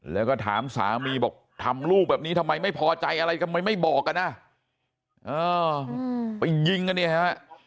แล้วก็ถามสามีบอกทำลูกแบบนี้ทำไมไม่พอใจอะไรทำไมไม่บอกกันอ่ะเออไปยิงกันเนี่ยฮะ